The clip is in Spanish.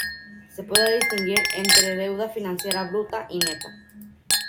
Se puede distinguir entre deuda financiera bruta y neta.